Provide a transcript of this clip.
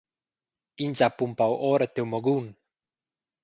Ins ha pumpau ora tiu magun.